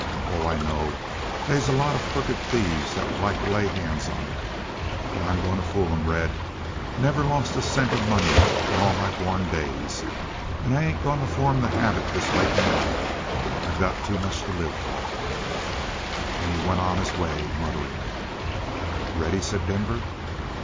Oh, I know they's a lot of crooked thieves that would like to lay hands on it. But I'm going to fool 'em, Red. Never lost a cent of money in all my born days, and I ain't going to form the habit this late in life. I got too much to live for!" And he went on his way muttering. "Ready!" said Denver.